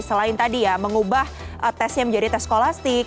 selain tadi ya mengubah tesnya menjadi tes kolastik